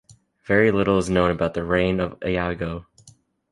Very little is known about the reign of Iago.